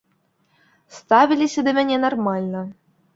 Ставіліся да мяне нармальна.